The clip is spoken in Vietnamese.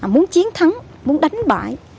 muốn chiến thắng muốn đánh bại